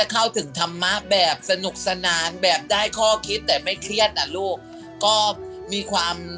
ก็เลยทำให้เราน่าจะเข้าถึง